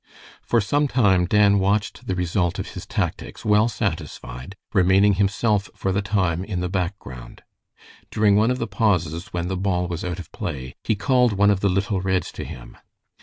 For some time Dan watched the result of his tactics well satisfied, remaining himself for the time in the background. During one of the pauses, when the ball was out of play, he called one of the little Reds to him.